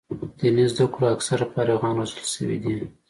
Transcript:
دیني زده کړو اکثره فارغان روزل شوي دي.